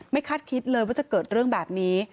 คาดคิดเลยว่าจะเกิดเรื่องแบบนี้